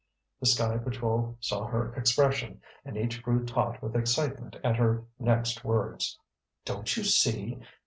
The Sky Patrol saw her expression and each grew taut with excitement at her next words. "Don't you see?